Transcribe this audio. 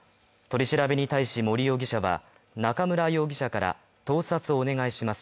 取り調べに対し森容疑者は、中村容疑者から盗撮をお願いします